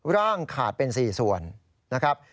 ร่างขาดเป็น๔ส่วนนะครับ